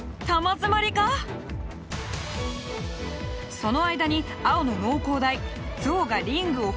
その間に青の農工大ゾウがリングを補充していく。